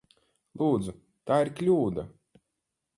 Lūdzu! Tā ir kļūda!